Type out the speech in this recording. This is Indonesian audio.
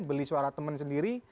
beli suara teman sendiri